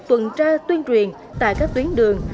quỹ ban nhà dân xã tuần tra tuyên truyền tại các tuyến đường